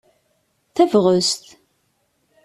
Tabɣest!